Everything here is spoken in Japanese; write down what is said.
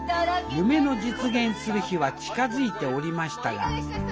夢の実現する日は近づいておりましたが。